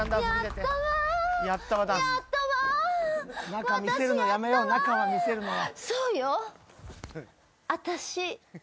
中見せるのやめよう中見せるのは。